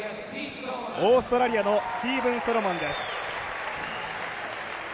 オーストラリアのスティーブン・ソロモンです。